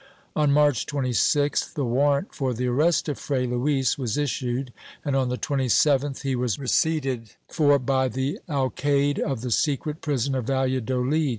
On March 26th the warrant for the arrest of Fray Luis was issued and, on the 27th he was receipted for by the alcaide of the secret prison of Valladolid.